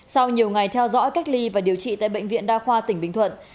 sau nhiều ngày theo dõi cách ly và điều trị tại bệnh viện đa khoa tỉnh bình thuận